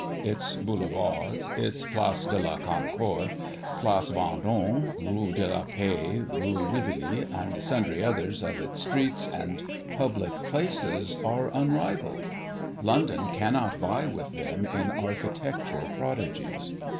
Its Boulevards, its Place de la Concorde, Place Vendôme, Rue de la Paix, Rue Rivoli, and sundry others of its streets and public places are unrivalled; London cannot vie with them in architectural prodigies.